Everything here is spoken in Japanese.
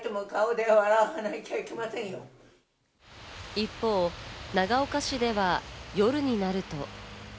一方、長岡市では夜になると。